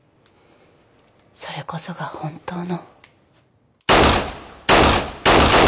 それこそが本当の。